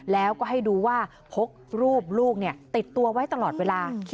แล้วก็ให้ดูว่าพกรูปลูกติดตัวไว้ตลอดเวลา